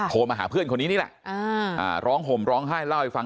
โทรมาหาเพื่อนคนนี้นี่แหละร้องห่มร้องไห้เล่าให้ฟัง